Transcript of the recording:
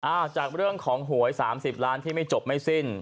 จากเรื่องของหวย๓๐ล้านที่ไม่จบไม่สิ้น